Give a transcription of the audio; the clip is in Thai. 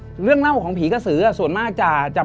เป็นประวัติเรื่องเล่าของผีกระสือส่วนมากจะไม่ค่อยออกมาหลอนคน